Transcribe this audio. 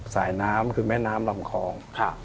สายน้ำคือแม่น้ำลำคลอง